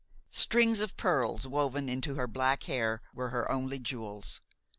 Strings of pearls woven into her black hair were her only jewels.